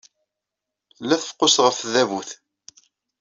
Tella tfeqqust ɣef tdabut.